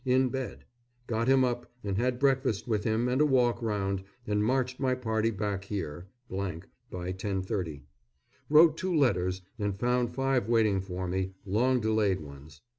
In bed; got him up and had breakfast with him and a walk round, and marched my party back here by 10.30. Wrote two letters and found five waiting for me long delayed ones.